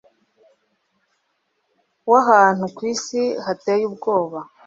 w'ahantu ku isi hateye ubwoba.